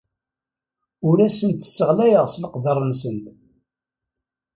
Ur asent-sseɣlayeɣ s leqder-nsent.